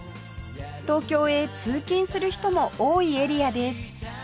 東京へ通勤する人も多いエリアです